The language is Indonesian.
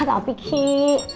gak mau pikir